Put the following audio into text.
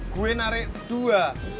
gue narik dua